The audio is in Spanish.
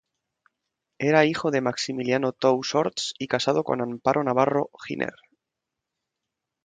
Era hijo de Maximiliano Thous Orts y casado con Amparo Navarro Giner.